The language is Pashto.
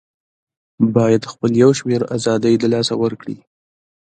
بايد خپل يو شمېر آزادۍ د لاسه ورکړي